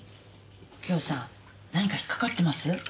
右京さん何か引っかかってます？